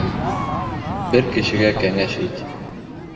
Бер кешегә кәңәш ит.